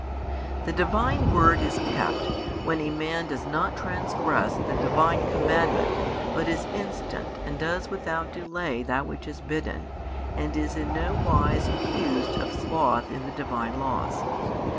The Divine word is kept, when a man does not transgress the Divine Commandment but is instant and does without delay that which is bidden and is in no wise accused of sloth in the Divine laws.